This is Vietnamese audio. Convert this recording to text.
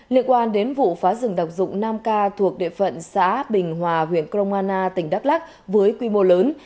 liên quan đến vụ phá rừng độc dụng nam ca thuộc địa phận xã bình hòa huyện cromana tỉnh đắk lắc với quy mô lớn